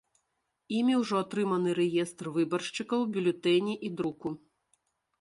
Імі ўжо атрыманы рэестр выбаршчыкаў, бюлетэні і друку.